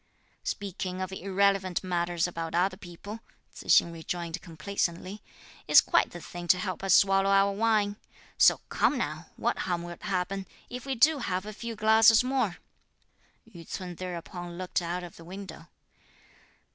"Speaking of irrelevant matters about other people," Tzu hsing rejoined complacently, "is quite the thing to help us swallow our wine; so come now; what harm will happen, if we do have a few glasses more." Yü ts'un thereupon looked out of the window.